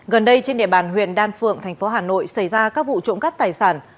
gần đây trên địa bàn huyện đan phượng thành phố hà nội xảy ra các vụ trộm cắp tài sản